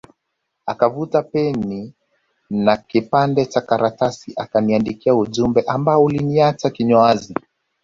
Akavuta peni na kipande Cha karatasi akaniandikia ujumbe ambao uliniacha kinywa wazi